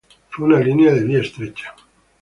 Fue una línea de vía estrecha.